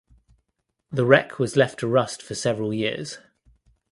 The wreck was left to rust for several years.